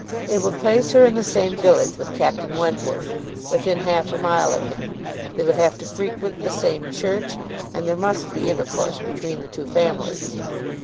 It would place her in the same village with Captain Wentworth, within half a mile of him; they would have to frequent the same church, and there must be intercourse between the two families.